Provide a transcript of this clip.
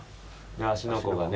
芦ノ湖がね。